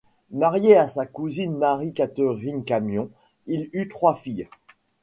Marié à sa cousine Marie Catherine Camion, il eut trois filles.